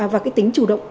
và tính chủ động ứng ứng